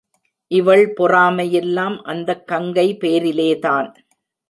இவள் பொறாமையெல்லாம் அந்தக் கங்கை பேரிலேதான்.